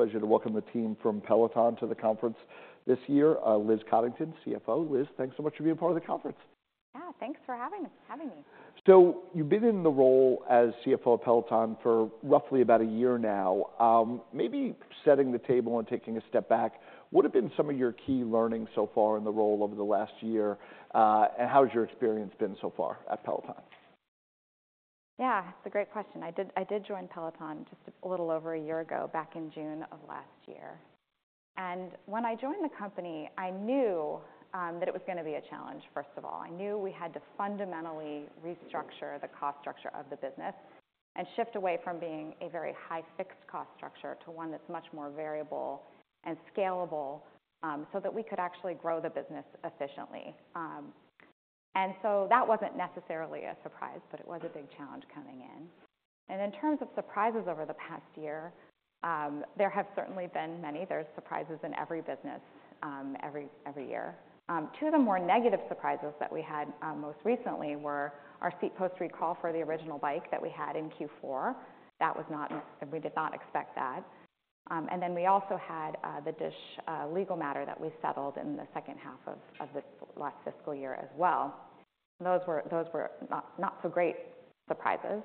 Pleasure to welcome the team from Peloton to the conference this year. Liz Coddington, CFO. Liz, thanks so much for being part of the conference! Yeah, thanks for having us, having me. So you've been in the role as CFO of Peloton for roughly about a year now. Maybe setting the table and taking a step back, what have been some of your key learnings so far in the role over the last year? And how has your experience been so far at Peloton? Yeah, it's a great question. I did, I did join Peloton just a little over a year ago, back in June of last year. When I joined the company, I knew that it was gonna be a challenge, first of all. I knew we had to fundamentally restructure the cost structure of the business and shift away from being a very high fixed cost structure to one that's much more variable and scalable, so that we could actually grow the business efficiently. And so that wasn't necessarily a surprise, but it was a big challenge coming in. In terms of surprises over the past year, there have certainly been many. There's surprises in every business, every year. Two of the more negative surprises that we had most recently were our seat post recall for the original bike that we had in Q4. That was not... We did not expect that. And then we also had the DISH legal matter that we settled in the second half of the last fiscal year as well. Those were not so great surprises,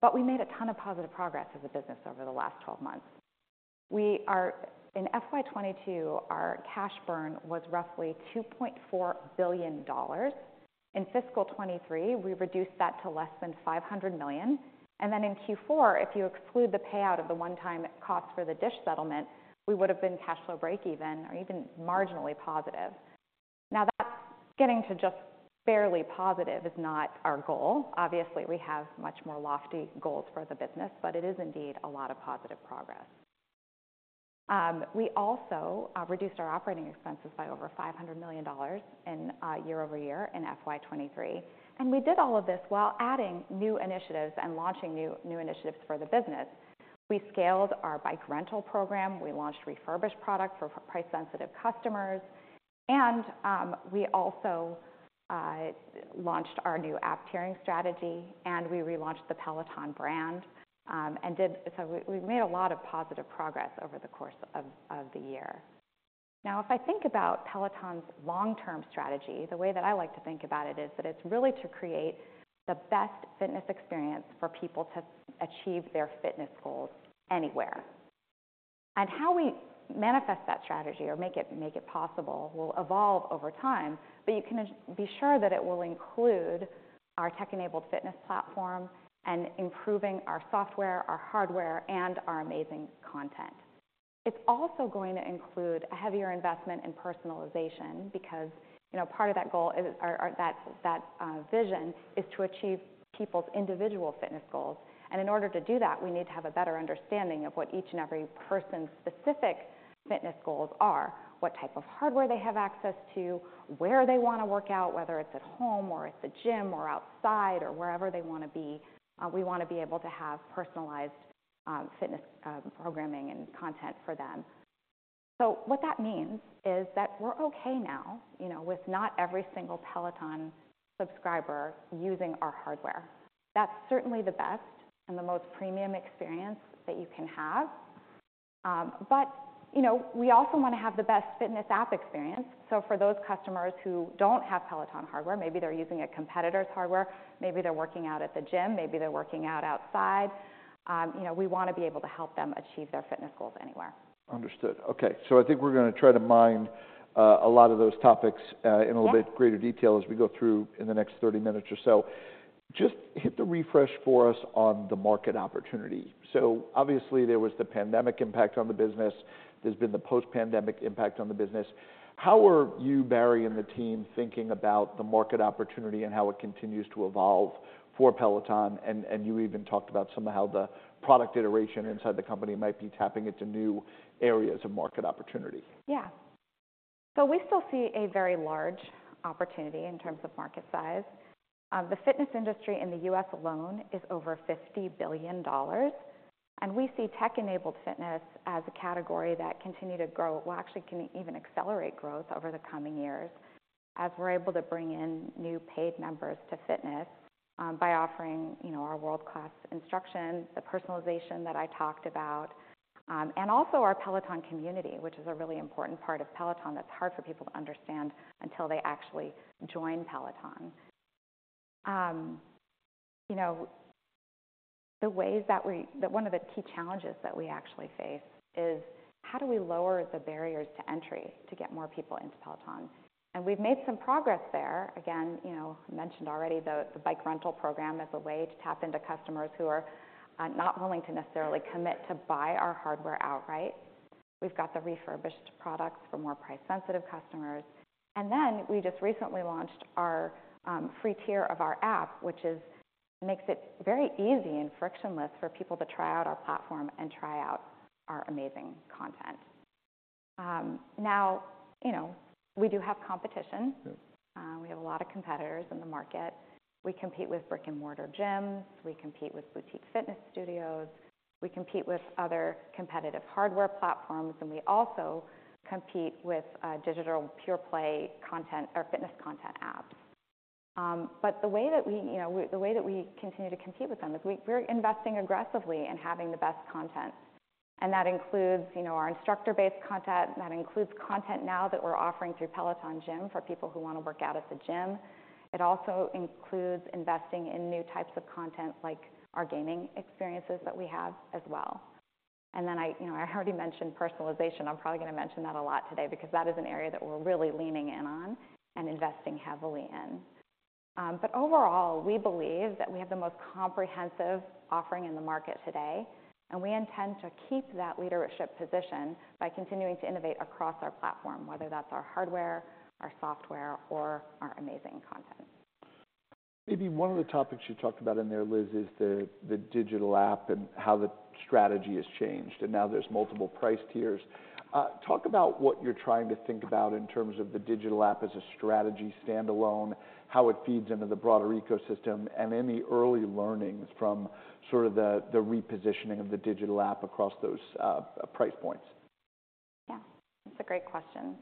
but we made a ton of positive progress as a business over the last twelve months. We are. In FY 2022, our cash burn was roughly $2.4 billion. In fiscal 2023, we reduced that to less than $500 million, and then in Q4, if you exclude the payout of the one-time cost for the DISH settlement, we would have been cash flow breakeven or even marginally positive. Now, that getting to just barely positive is not our goal. Obviously, we have much more lofty goals for the business, but it is indeed a lot of positive progress. We also reduced our operating expenses by over $500 million year over year in FY 2023, and we did all of this while adding new initiatives and launching new initiatives for the business. We scaled our bike rental program. We launched refurbished products for price-sensitive customers, and we also launched our new app tiering strategy, and we relaunched the Peloton brand. So we, we've made a lot of positive progress over the course of the year. Now, if I think about Peloton's long-term strategy, the way that I like to think about it is that it's really to create the best fitness experience for people to achieve their fitness goals anywhere. And how we manifest that strategy or make it possible will evolve over time, but you can be sure that it will include our tech-enabled fitness platform and improving our software, our hardware, and our amazing content. It's also going to include a heavier investment in personalization because, you know, part of that goal is or that vision is to achieve people's individual fitness goals. In order to do that, we need to have a better understanding of what each and every person's specific fitness goals are, what type of hardware they have access to, where they want to work out, whether it's at home or at the gym or outside or wherever they want to be. We want to be able to have personalized fitness programming and content for them. What that means is that we're okay now, you know, with not every single Peloton subscriber using our hardware. That's certainly the best and the most premium experience that you can have, but, you know, we also want to have the best fitness app experience. For those customers who don't have Peloton hardware, maybe they're using a competitor's hardware, maybe they're working out at the gym, maybe they're working out outside, you know, we want to be able to help them achieve their fitness goals anywhere. Understood. Okay, so I think we're going to try to mine a lot of those topics. Yeah... in a little bit greater detail as we go through in the next 30 minutes or so. Just hit the refresh for us on the market opportunity. So obviously, there was the pandemic impact on the business. There's been the post-pandemic impact on the business. How are you, Barry, and the team thinking about the market opportunity and how it continues to evolve for Peloton? And, and you even talked about some of how the product iteration inside the company might be tapping into new areas of market opportunity. Yeah. So we still see a very large opportunity in terms of market size. The fitness industry in the U.S. alone is over $50 billion, and we see tech-enabled fitness as a category that continue to grow, well, actually can even accelerate growth over the coming years as we're able to bring in new paid members to fitness, by offering, you know, our world-class instruction, the personalization that I talked about, and also our Peloton community, which is a really important part of Peloton that's hard for people to understand until they actually join Peloton. You know, the ways that we... One of the key challenges that we actually face is: How do we lower the barriers to entry to get more people into Peloton? And we've made some progress there. Again, you know, mentioned already the bike rental program as a way to tap into customers who are not willing to necessarily commit to buy our hardware outright. We've got the refurbished products for more price-sensitive customers, and then we just recently launched our free tier of our app, which is makes it very easy and frictionless for people to try out our platform and try out our amazing content. Now, you know, we do have competition. Yeah. We have a lot of competitors in the market. We compete with brick-and-mortar gyms. We compete with boutique fitness studios. We compete with other competitive hardware platforms, and we also compete with digital pure play content or fitness content apps. But the way that we, you know, the way that we continue to compete with them is we're investing aggressively in having the best content. And that includes, you know, our instructor-based content, and that includes content now that we're offering through Peloton Gym for people who want to work out at the gym. It also includes investing in new types of content, like our gaming experiences that we have as well. And then I, you know, I already mentioned personalization. I'm probably going to mention that a lot today because that is an area that we're really leaning in on and investing heavily in. But overall, we believe that we have the most comprehensive offering in the market today, and we intend to keep that leadership position by continuing to innovate across our platform, whether that's our hardware, our software, or our amazing content. Maybe one of the topics you talked about in there, Liz, is the digital app and how the strategy has changed, and now there's multiple price tiers. Talk about what you're trying to think about in terms of the digital app as a strategy standalone, how it feeds into the broader ecosystem, and any early learnings from sort of the repositioning of the digital app across those price points. Yeah, that's a great question.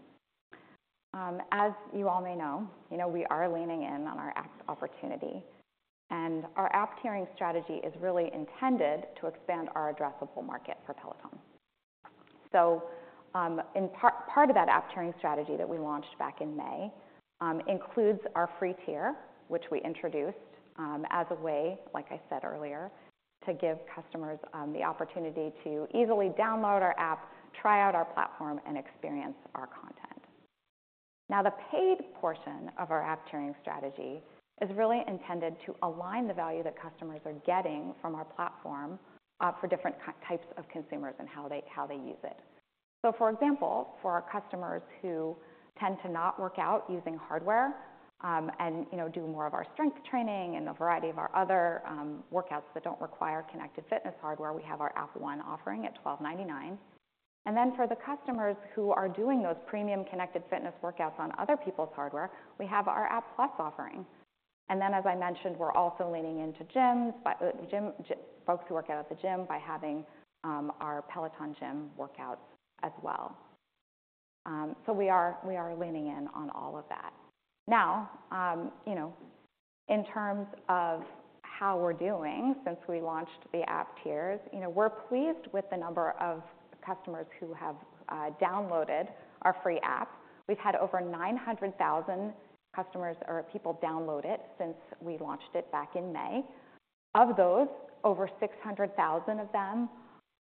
As you all may know, you know, we are leaning in on our app opportunity, and our app tiering strategy is really intended to expand our addressable market for Peloton. So, in part of that app tiering strategy that we launched back in May, includes our free tier, which we introduced as a way, like I said earlier, to give customers the opportunity to easily download our app, try out our platform, and experience our content. Now, the paid portion of our app tiering strategy is really intended to align the value that customers are getting from our platform for different types of consumers and how they use it. So for example, for our customers who tend to not work out using hardware, and, you know, do more of our strength training and a variety of our other workouts that don't require connected fitness hardware, we have our App One offering at $12.99. And then for the customers who are doing those premium connected fitness workouts on other people's hardware, we have our App+ offering. And then, as I mentioned, we're also leaning into gyms by gym folks who work out at the gym by having our Peloton Gym workouts as well. So we are leaning in on all of that. Now, you know, in terms of how we're doing since we launched the App tiers, you know, we're pleased with the number of customers who have downloaded our free app. We've had over 900,000 customers or people download it since we launched it back in May. Of those, over 600,000 of them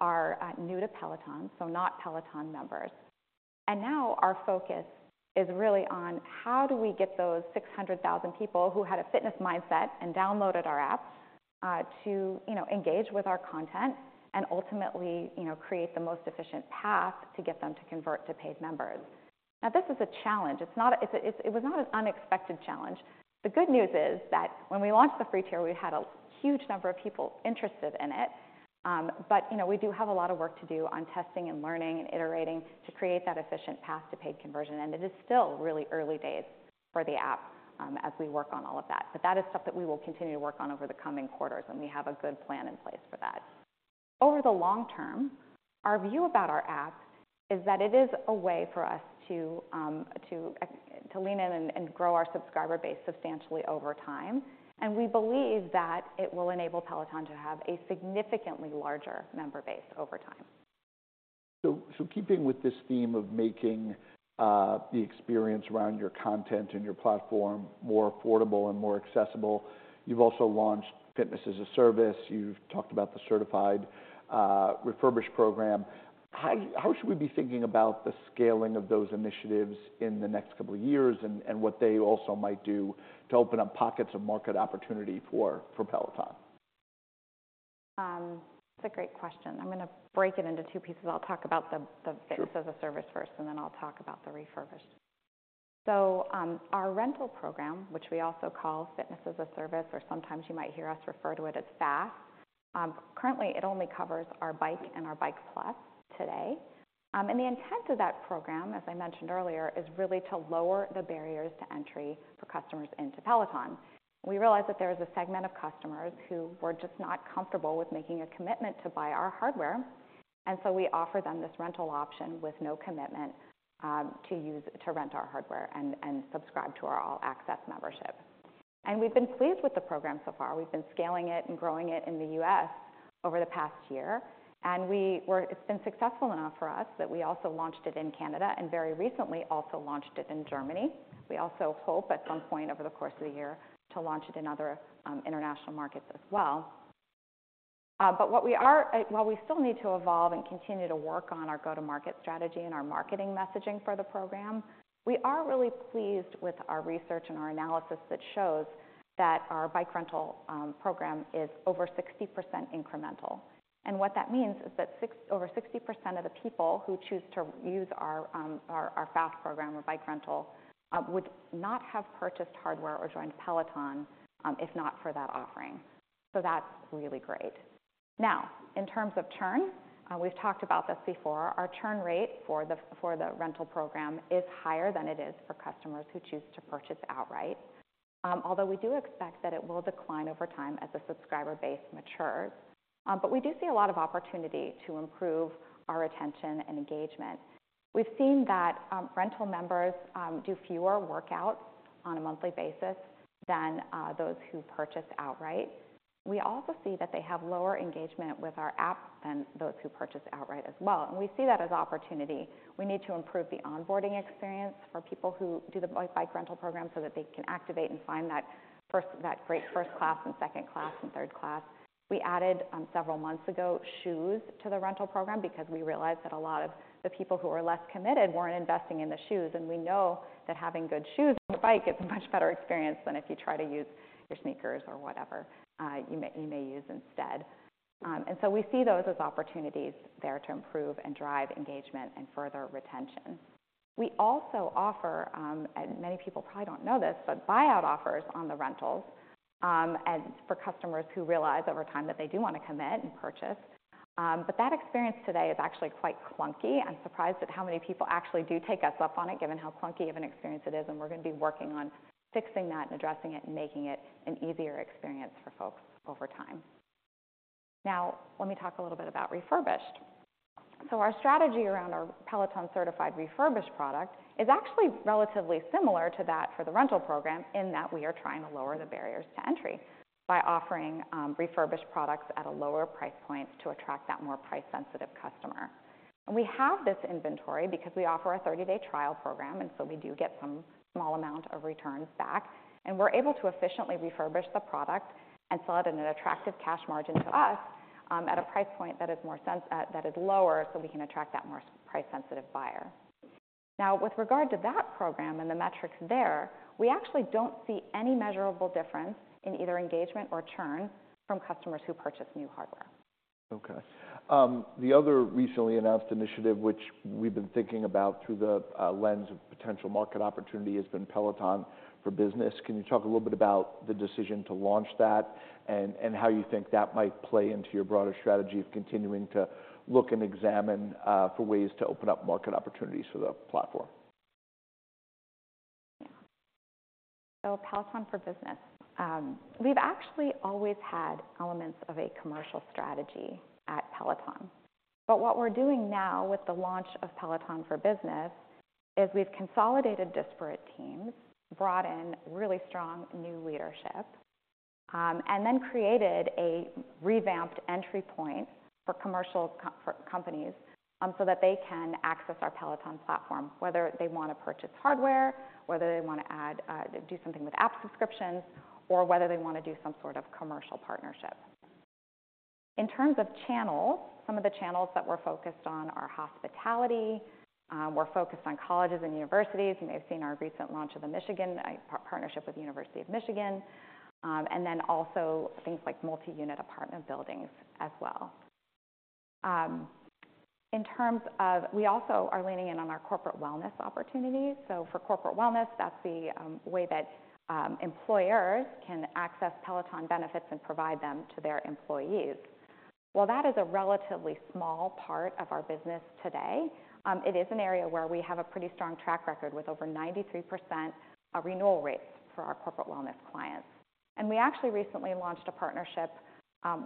are, new to Peloton, so not Peloton members. And now our focus is really on how do we get those 600,000 people who had a fitness mindset and downloaded our app, to, you know, engage with our content and ultimately, you know, create the most efficient path to get them to convert to paid members? Now, this is a challenge. It's not... It's, it was not an unexpected challenge. The good news is that when we launched the free tier, we had a huge number of people interested in it. But you know, we do have a lot of work to do on testing and learning and iterating to create that efficient path to paid conversion, and it is still really early days for the app, as we work on all of that. But that is stuff that we will continue to work on over the coming quarters, and we have a good plan in place for that. Over the long term, our view about our app is that it is a way for us to lean in and grow our subscriber base substantially over time, and we believe that it will enable Peloton to have a significantly larger member base over time. So, keeping with this theme of making the experience around your content and your platform more affordable and more accessible, you've also launched Fitness as a Service. You've talked about the certified refurbished program. How should we be thinking about the scaling of those initiatives in the next couple of years and what they also might do to open up pockets of market opportunity for Peloton? That's a great question. I'm going to break it into two pieces. I'll talk about the- Sure. The Fitness as a Service first, and then I'll talk about the refurbished. So, our rental program, which we also call Fitness as a Service, or sometimes you might hear us refer to it as FAAS. Currently, it only covers our Bike and our Bike+ today. And the intent of that program, as I mentioned earlier, is really to lower the barriers to entry for customers into Peloton. We realized that there is a segment of customers who were just not comfortable with making a commitment to buy our hardware, and so we offer them this rental option with no commitment, to rent our hardware and, and subscribe to our All-Access Membership. And we've been pleased with the program so far. We've been scaling it and growing it in the U.S. over the past year, and we're it's been successful enough for us that we also launched it in Canada and very recently also launched it in Germany. We also hope at some point over the course of the year to launch it in other international markets as well. While we still need to evolve and continue to work on our go-to-market strategy and our marketing messaging for the program, we are really pleased with our research and our analysis that shows that our bike rental program is over 60% incremental. What that means is that over 60% of the people who choose to use our FaaS program or bike rental would not have purchased hardware or joined Peloton if not for that offering. So that's really great. Now, in terms of churn, we've talked about this before. Our churn rate for the rental program is higher than it is for customers who choose to purchase outright, although we do expect that it will decline over time as the subscriber base matures. But we do see a lot of opportunity to improve our retention and engagement.... We've seen that rental members do fewer workouts on a monthly basis than those who purchase outright. We also see that they have lower engagement with our app than those who purchase outright as well, and we see that as opportunity. We need to improve the onboarding experience for people who do the bike rental program, so that they can activate and find that first-- that great first class and second class and third class. We added, several months ago, shoes to the rental program because we realized that a lot of the people who were less committed weren't investing in the shoes. We know that having good shoes on the bike is a much better experience than if you try to use your sneakers or whatever you may use instead. And so we see those as opportunities there to improve and drive engagement and further retention. We also offer, and many people probably don't know this, but buyout offers on the rentals, as for customers who realize over time that they do want to commit and purchase. But that experience today is actually quite clunky. I'm surprised at how many people actually do take us up on it, given how clunky of an experience it is, and we're going to be working on fixing that and addressing it, and making it an easier experience for folks over time. Now, let me talk a little bit about refurbished. So our strategy around our Peloton Certified Refurbished product is actually relatively similar to that for the rental program, in that we are trying to lower the barriers to entry by offering, refurbished products at a lower price point to attract that more price-sensitive customer. And we have this inventory because we offer a 30-day trial program, and so we do get some small amount of returns back, and we're able to efficiently refurbish the product and sell it at an attractive cash margin to us, at a price point that is more sense... that is lower, so we can attract that more price-sensitive buyer. Now, with regard to that program and the metrics there, we actually don't see any measurable difference in either engagement or churn from customers who purchase new hardware. Okay. The other recently announced initiative, which we've been thinking about through the lens of potential market opportunity, has been Peloton for Business. Can you talk a little bit about the decision to launch that and how you think that might play into your broader strategy of continuing to look and examine for ways to open up market opportunities for the platform? So Peloton for Business. We've actually always had elements of a commercial strategy at Peloton, but what we're doing now with the launch of Peloton for Business is we've consolidated disparate teams, brought in really strong new leadership, and then created a revamped entry point for commercial for companies, so that they can access our Peloton platform, whether they want to purchase hardware, whether they want to add, do something with app subscriptions, or whether they want to do some sort of commercial partnership. In terms of channels, some of the channels that we're focused on are hospitality, we're focused on colleges and universities. You may have seen our recent launch of the Michigan, partnership with the University of Michigan, and then also things like multi-unit apartment buildings as well. In terms of... We also are leaning in on our corporate wellness opportunities. So for corporate wellness, that's the way that employers can access Peloton benefits and provide them to their employees. While that is a relatively small part of our business today, it is an area where we have a pretty strong track record, with over 93% renewal rates for our corporate wellness clients. And we actually recently launched a partnership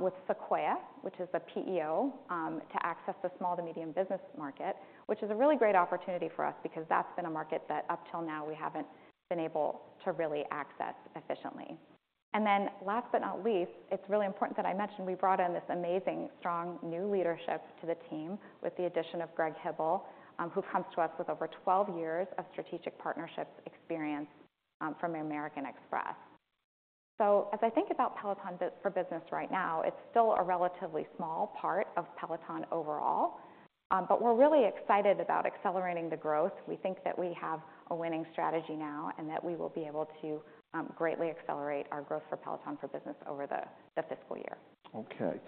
with Sequoia, which is a PEO, to access the small to medium business market, which is a really great opportunity for us because that's been a market that, up till now, we haven't been able to really access efficiently. Then last but not least, it's really important that I mention we brought in this amazing, strong, new leadership to the team with the addition of Greg Hybl, who comes to us with over 12 years of strategic partnerships experience from American Express. So as I think about Peloton for Business right now, it's still a relatively small part of Peloton overall, but we're really excited about accelerating the growth. We think that we have a winning strategy now, and that we will be able to greatly accelerate our growth for Peloton for Business over the fiscal year. Okay.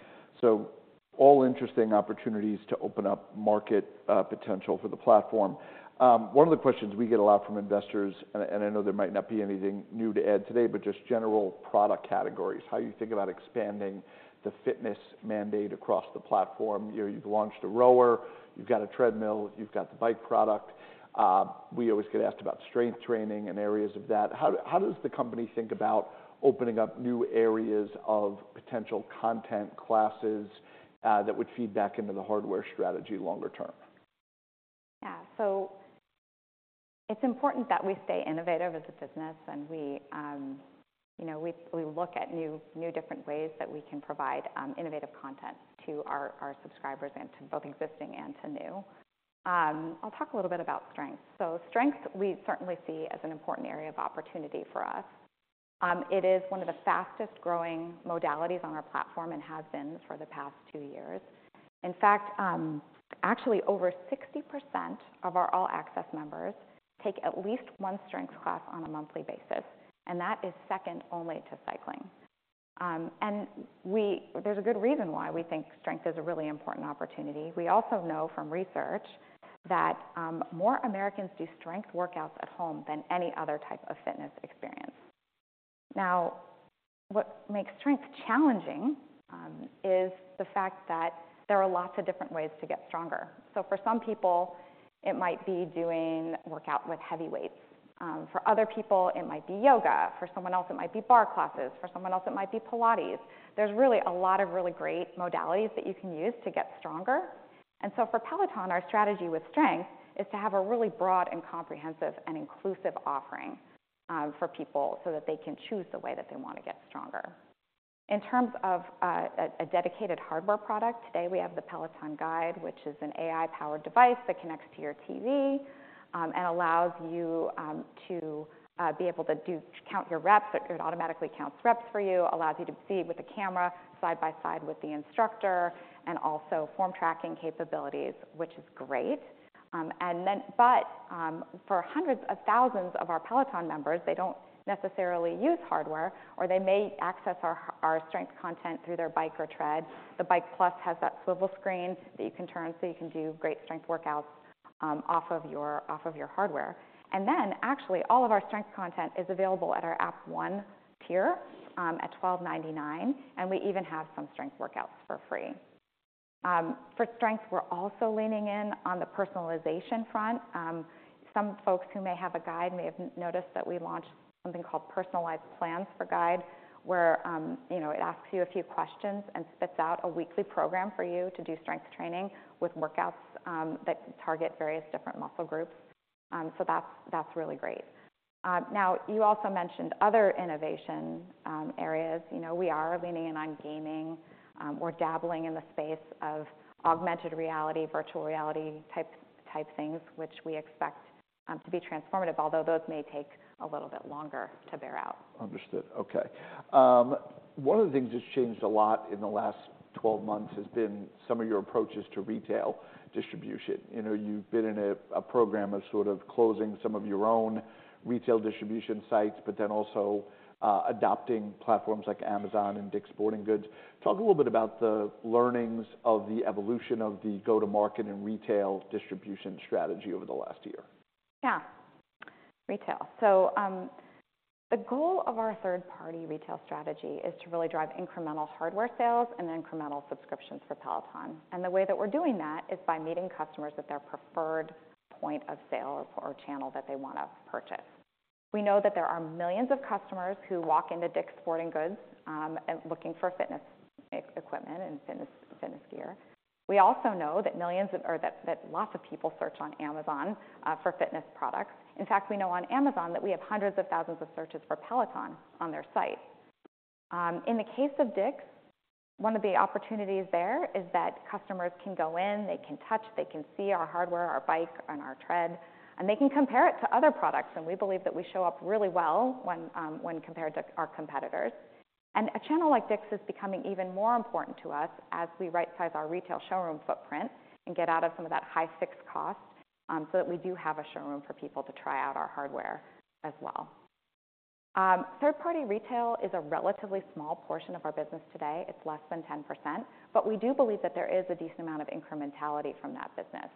So all interesting opportunities to open up market potential for the platform. One of the questions we get a lot from investors, and, and I know there might not be anything new to add today, but just general product categories, how you think about expanding the fitness mandate across the platform. You know, you've launched a rower, you've got a treadmill, you've got the bike product. We always get asked about strength training and areas of that. How, how does the company think about opening up new areas of potential content classes, that would feed back into the hardware strategy longer term? Yeah. So it's important that we stay innovative as a business and we, you know, we look at new different ways that we can provide innovative content to our subscribers and to both existing and to new. I'll talk a little bit about strength. So strength, we certainly see as an important area of opportunity for us. It is one of the fastest growing modalities on our platform and has been for the past two years. In fact, actually, over 60% of our All Access members take at least one strength class on a monthly basis, and that is second only to cycling. And there's a good reason why we think strength is a really important opportunity. We also know from research that more Americans do strength workouts at home than any other type of fitness experience. Now, what makes strength challenging is the fact that there are lots of different ways to get stronger. So for some people, it might be doing workout with heavy weights. For other people, it might be yoga. For someone else, it might be Barre classes. For someone else, it might be Pilates. There's really a lot of really great modalities that you can use to get stronger. And so for Peloton, our strategy with strength is to have a really broad and comprehensive, and inclusive offering for people so that they can choose the way that they want to get stronger. In terms of a dedicated hardware product, today, we have the Peloton Guide, which is an AI-powered device that connects to your TV, and allows you to count your reps. It automatically counts reps for you, allows you to see with the camera side by side with the instructor, and also form tracking capabilities, which is great. But for hundreds of thousands of our Peloton members, they don't necessarily use hardware, or they may access our strength content through their Bike or Tread. The Bike+ has that swivel screen that you can turn, so you can do great strength workouts off of your hardware. And then, actually, all of our strength content is available at our App One tier at $12.99, and we even have some strength workouts for free. For strength, we're also leaning in on the personalization front. Some folks who may have a Guide may have noticed that we launched something called Personalized Plans for Guide, where, you know, it asks you a few questions and spits out a weekly program for you to do strength training with workouts that target various different muscle groups. So that's, that's really great. Now, you also mentioned other innovation areas. You know, we are leaning in on gaming. We're dabbling in the space of augmented reality, virtual reality type, type things, which we expect to be transformative, although those may take a little bit longer to bear out. Understood. Okay. One of the things that's changed a lot in the last 12 months has been some of your approaches to retail distribution. You know, you've been in a program of sort of closing some of your own retail distribution sites, but then also adopting platforms like Amazon and Dick’s Sporting Goods. Talk a little bit about the learnings of the evolution of the go-to-market and retail distribution strategy over the last year. Yeah, retail. So, the goal of our third-party retail strategy is to really drive incremental hardware sales and incremental subscriptions for Peloton. And the way that we're doing that is by meeting customers at their preferred point of sale or channel that they want to purchase. We know that there are millions of customers who walk into Dick’s Sporting Goods and looking for fitness equipment and fitness, fitness gear. We also know that lots of people search on Amazon for fitness products. In fact, we know on Amazon that we have hundreds of thousands of searches for Peloton on their site. In the case of Dick's, one of the opportunities there is that customers can go in, they can touch, they can see our hardware, our bike and our tread, and they can compare it to other products, and we believe that we show up really well when, when compared to our competitors. A channel like Dick's is becoming even more important to us as we rightsize our retail showroom footprint and get out of some of that high fixed cost, so that we do have a showroom for people to try out our hardware as well. Third-party retail is a relatively small portion of our business today. It's less than 10%, but we do believe that there is a decent amount of incrementality from that business.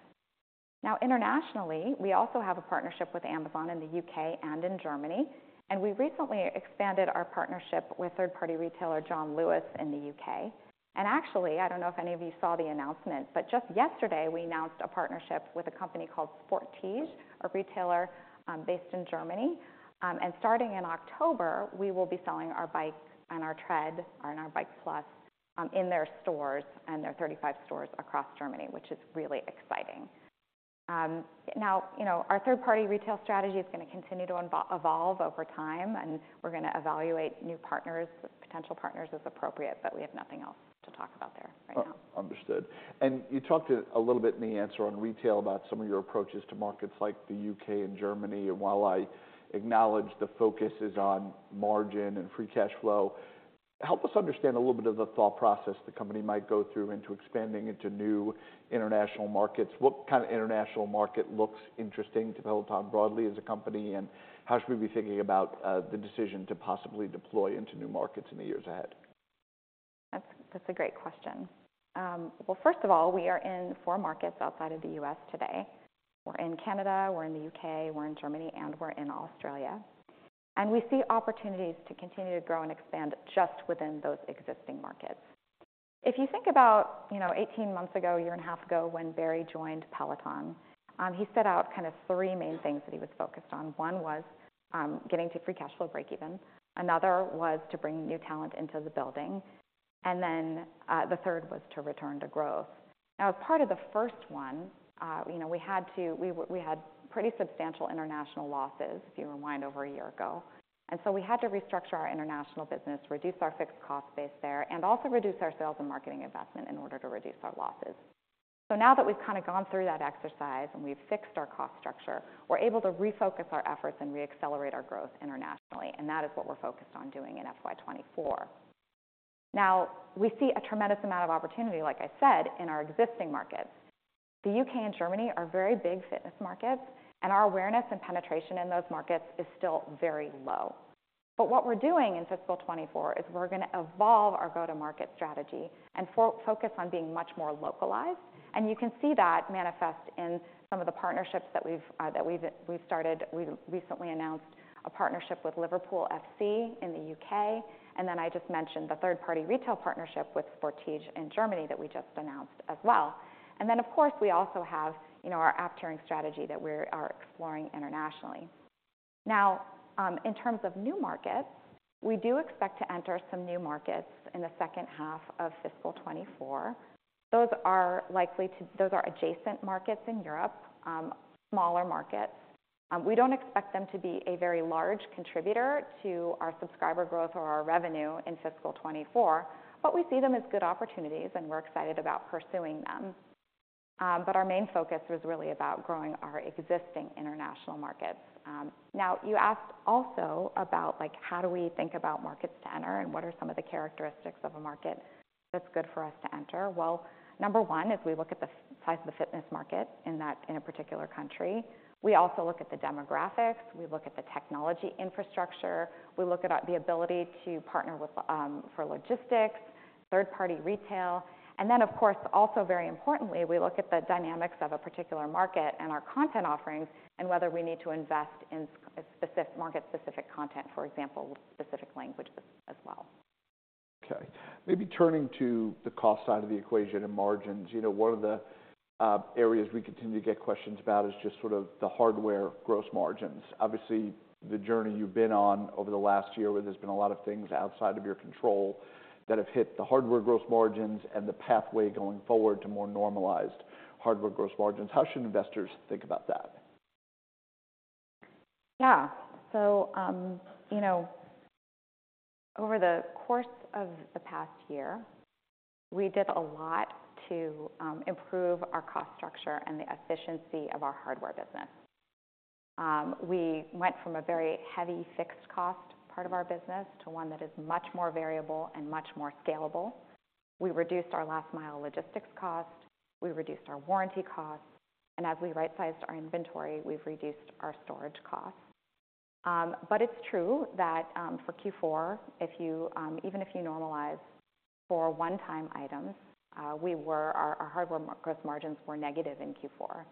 Now, internationally, we also have a partnership with Amazon in the U.K. and in Germany, and we recently expanded our partnership with third-party retailer, John Lewis, in the U.K. And actually, I don't know if any of you saw the announcement, but just yesterday, we announced a partnership with a company called Sport-Tiedje, a retailer, based in Germany. And starting in October, we will be selling our bikes and our tread and our Bike+, in their stores and their 35 stores across Germany, which is really exciting. Now, you know, our third-party retail strategy is going to continue to evolve over time, and we're going to evaluate new partners, potential partners, as appropriate, but we have nothing else to talk about there right now. Understood. You talked a little bit in the answer on retail about some of your approaches to markets like the U.K. and Germany. While I acknowledge the focus is on margin and free cash flow, help us understand a little bit of the thought process the company might go through into expanding into new international markets. What kind of international market looks interesting to Peloton broadly as a company? How should we be thinking about the decision to possibly deploy into new markets in the years ahead? That's a great question. Well, first of all, we are in 4 markets outside of the U.S. today. We're in Canada, we're in the U.K., we're in Germany, and we're in Australia. And we see opportunities to continue to grow and expand just within those existing markets. If you think about, you know, 18 months ago, a year and a half ago, when Barry joined Peloton, he set out kind of 3 main things that he was focused on. One was getting to Free Cash Flow breakeven, another was to bring new talent into the building, and then the third was to return to growth. Now, as part of the first one, you know, we had to. We had pretty substantial international losses, if you rewind over a year ago. And so we had to restructure our international business, reduce our fixed cost base there, and also reduce our sales and marketing investment in order to reduce our losses. So now that we've kind of gone through that exercise and we've fixed our cost structure, we're able to refocus our efforts and re-accelerate our growth internationally, and that is what we're focused on doing in FY 2024. Now, we see a tremendous amount of opportunity, like I said, in our existing markets. The UK and Germany are very big fitness markets, and our awareness and penetration in those markets is still very low. But what we're doing in fiscal 2024 is we're going to evolve our go-to-market strategy and focus on being much more localized. And you can see that manifest in some of the partnerships that we've started. We've recently announced a partnership with Liverpool FC in the U.K., and then I just mentioned the third-party retail partnership with Sport-Tiedje in Germany that we just announced as well. And then, of course, we also have, you know, our app tiering strategy that we're exploring internationally. Now, in terms of new markets, we do expect to enter some new markets in the second half of fiscal 2024. Those are likely to be adjacent markets in Europe, smaller markets. We don't expect them to be a very large contributor to our subscriber growth or our revenue in fiscal 2024, but we see them as good opportunities and we're excited about pursuing them. But our main focus was really about growing our existing international markets. Now, you asked also about, like, how do we think about markets to enter and what are some of the characteristics of a market that's good for us to enter? Well, number one is we look at the size of the fitness market in that, in a particular country. We also look at the demographics. We look at the technology infrastructure. We look at the ability to partner with, for logistics, third-party retail. And then, of course, also very importantly, we look at the dynamics of a particular market and our content offerings and whether we need to invest in market-specific content, for example, specific languages as well. Okay. Maybe turning to the cost side of the equation and margins. You know, one of the areas we continue to get questions about is just sort of the hardware gross margins. Obviously, the journey you've been on over the last year, where there's been a lot of things outside of your control that have hit the hardware gross margins and the pathway going forward to more normalized hardware gross margins. How should investors think about that? Yeah. So, you know, over the course of the past year, we did a lot to improve our cost structure and the efficiency of our hardware business. We went from a very heavy fixed cost part of our business to one that is much more variable and much more scalable. We reduced our last-mile logistics cost, we reduced our warranty costs, and as we right-sized our inventory, we've reduced our storage costs. But it's true that, for Q4, even if you normalize for one-time items, our hardware gross margins were negative in Q4.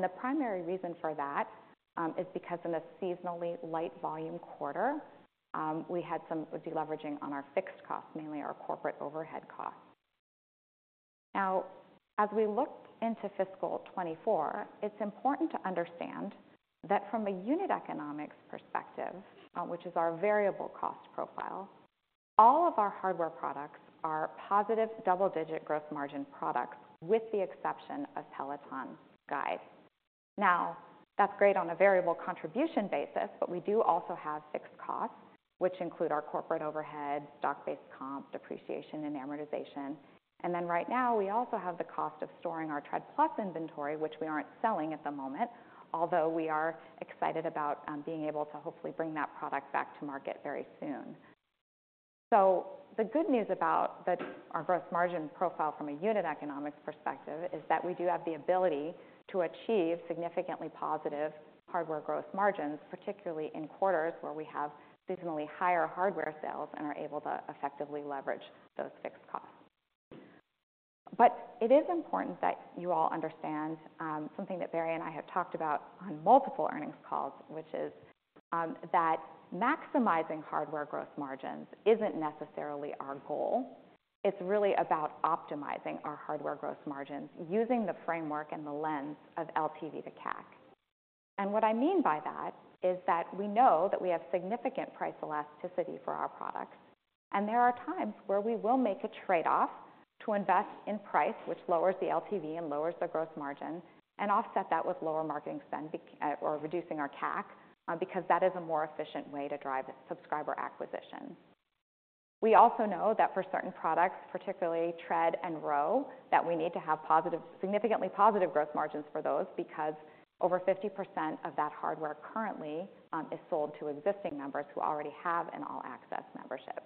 The primary reason for that is because in a seasonally light volume quarter, we had some deleveraging on our fixed costs, mainly our corporate overhead costs. Now, as we look into fiscal 2024, it's important to understand that from a unit economics perspective, which is our variable cost profile, all of our hardware products are positive double-digit growth margin products, with the exception of Peloton Guide. Now, that's great on a variable contribution basis, but we do also have fixed costs, which include our corporate overhead, stock-based comp, depreciation and amortization. And then right now, we also have the cost of storing our Tread Plus inventory, which we aren't selling at the moment, although we are excited about, being able to hopefully bring that product back to market very soon. So the good news about the, our growth margin profile from a unit economics perspective is that we do have the ability to achieve significantly positive hardware growth margins, particularly in quarters where we have seasonally higher hardware sales and are able to effectively leverage those fixed costs. But it is important that you all understand something that Barry and I have talked about on multiple earnings calls, which is, that maximizing hardware growth margins isn't necessarily our goal. It's really about optimizing our hardware growth margins, using the framework and the lens of LTV to CAC. What I mean by that is that we know that we have significant price elasticity for our products, and there are times where we will make a trade-off to invest in price, which lowers the LTV and lowers the growth margin, and offset that with lower marketing spend or reducing our CAC, because that is a more efficient way to drive subscriber acquisition. We also know that for certain products, particularly Tread and Row, that we need to have positive significantly positive growth margins for those, because over 50% of that hardware currently is sold to existing members who already have an All Access membership.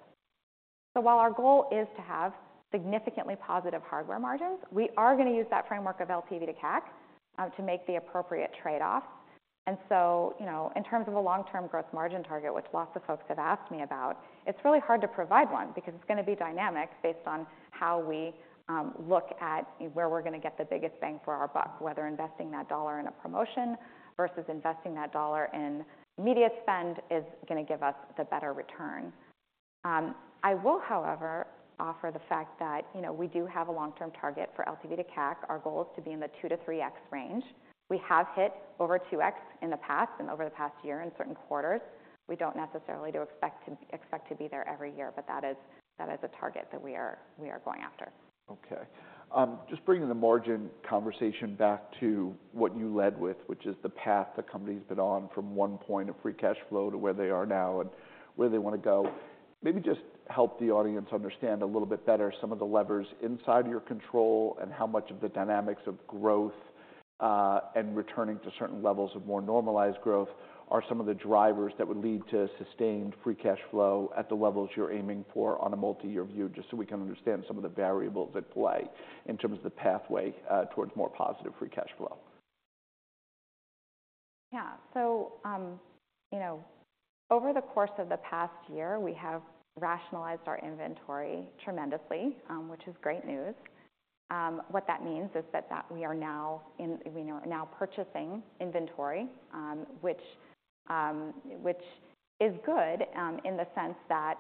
So while our goal is to have significantly positive hardware margins, we are gonna use that framework of LTV to CAC to make the appropriate trade-off. So, you know, in terms of a long-term growth margin target, which lots of folks have asked me about, it's really hard to provide one because it's gonna be dynamic based on how we look at where we're gonna get the biggest bang for our buck, whether investing that dollar in a promotion versus investing that dollar in media spend is gonna give us the better return. I will, however, offer the fact that, you know, we do have a long-term target for LTV to CAC. Our goal is to be in the 2-3x range. We have hit over 2x in the past and over the past year in certain quarters. We don't necessarily expect to be there every year, but that is a target that we are going after. Okay. Just bringing the margin conversation back to what you led with, which is the path the company's been on from one point of free cash flow to where they are now and where they wanna go. Maybe just help the audience understand a little bit better some of the levers inside your control and how much of the dynamics of growth and returning to certain levels of more normalized growth are some of the drivers that would lead to sustained free cash flow at the levels you're aiming for on a multi-year view, just so we can understand some of the variables at play in terms of the pathway towards more positive free cash flow. Yeah. So, you know, over the course of the past year, we have rationalized our inventory tremendously, which is great news. What that means is that we are now purchasing inventory, which is good in the sense that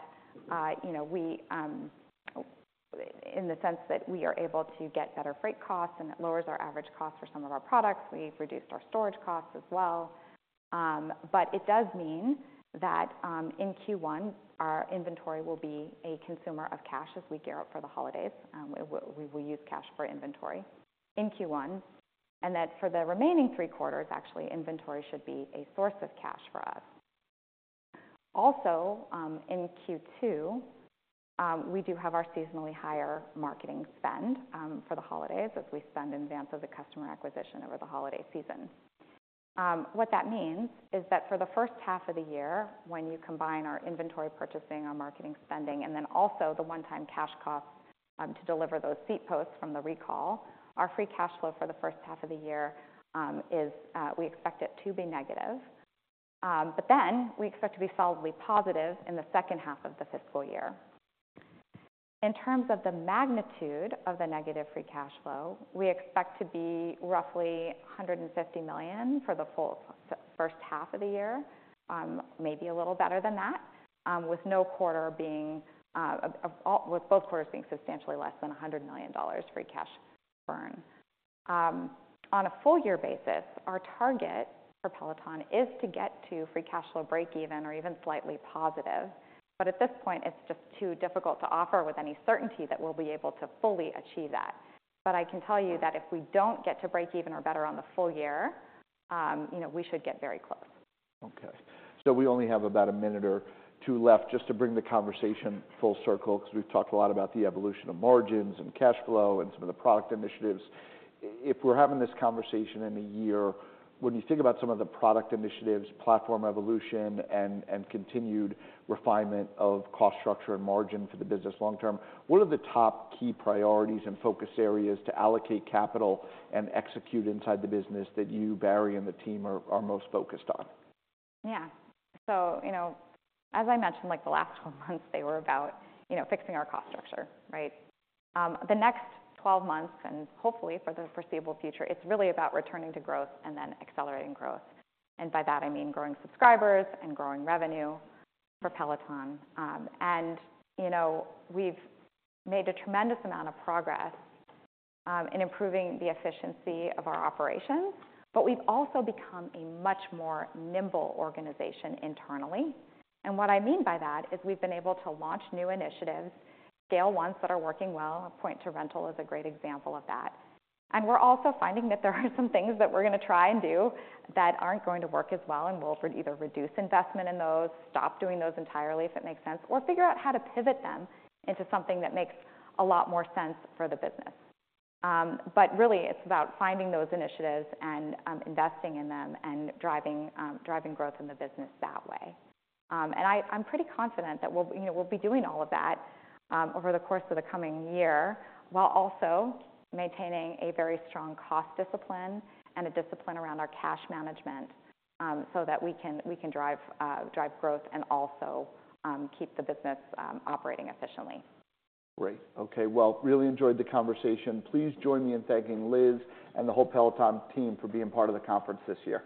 we are able to get better freight costs and it lowers our average cost for some of our products. We've reduced our storage costs as well.... But it does mean that, in Q1, our inventory will be a consumer of cash as we gear up for the holidays. We will use cash for inventory in Q1, and that for the remaining three quarters, actually, inventory should be a source of cash for us. Also, in Q2, we do have our seasonally higher marketing spend, for the holidays, as we spend in advance of the customer acquisition over the holiday season. What that means is that for the first half of the year, when you combine our inventory purchasing, our marketing spending, and then also the one-time cash cost, to deliver those seat posts from the recall, our Free Cash Flow for the first half of the year, is, we expect it to be negative. But then we expect to be solidly positive in the second half of the fiscal year. In terms of the magnitude of the negative Free Cash Flow, we expect to be roughly $150 million for the full first half of the year, maybe a little better than that, with no quarter being, a, a... With both quarters being substantially less than $100 million free cash burn. On a full year basis, our target for Peloton is to get to Free Cash Flow breakeven or even slightly positive. But at this point, it's just too difficult to offer with any certainty that we'll be able to fully achieve that. But I can tell you that if we don't get to breakeven or better on the full year, you know, we should get very close. Okay. So we only have about a minute or two left, just to bring the conversation full circle, because we've talked a lot about the evolution of margins and cash flow and some of the product initiatives. If we're having this conversation in a year, when you think about some of the product initiatives, platform evolution, and, and continued refinement of cost structure and margin for the business long term, what are the top key priorities and focus areas to allocate capital and execute inside the business that you, Barry, and the team are, are most focused on? Yeah. So, you know, as I mentioned, like, the last 12 months, they were about, you know, fixing our cost structure, right? The next 12 months, and hopefully for the foreseeable future, it's really about returning to growth and then accelerating growth. And by that, I mean growing subscribers and growing revenue for Peloton. And, you know, we've made a tremendous amount of progress in improving the efficiency of our operations, but we've also become a much more nimble organization internally. And what I mean by that is we've been able to launch new initiatives, scale ones that are working well. Our pivot to rental is a great example of that. We're also finding that there are some things that we're gonna try and do that aren't going to work as well, and we'll either reduce investment in those, stop doing those entirely, if it makes sense, or figure out how to pivot them into something that makes a lot more sense for the business. But really, it's about finding those initiatives and investing in them and driving growth in the business that way. I'm pretty confident that we'll, you know, we'll be doing all of that over the course of the coming year, while also maintaining a very strong cost discipline and a discipline around our cash management, so that we can drive growth and also keep the business operating efficiently. Great. Okay, well, really enjoyed the conversation. Please join me in thanking Liz and the whole Peloton team for being part of the conference this year.